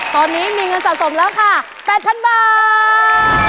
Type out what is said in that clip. ตอนนี้มีเงินสะสมค่ะแปดพันบาท